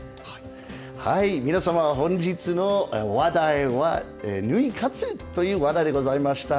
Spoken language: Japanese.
皆さま、本日の話題はぬい活という話題でございました。